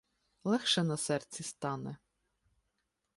Легше на серці стане.